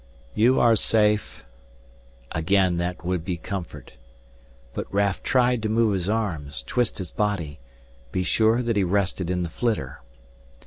"You are safe " Again that would be comfort. But Raf tried to move his arms, twist his body, be sure that he rested in the flitter.